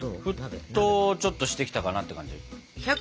沸騰ちょっとしてきたかなって感じ。